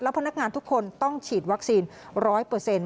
พนักงานทุกคนต้องฉีดวัคซีนร้อยเปอร์เซ็นต์